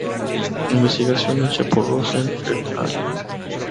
Investigación hecha por Rosen et al.